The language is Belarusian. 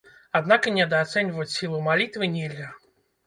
Аднак і недаацэньваць сілу малітвы нельга.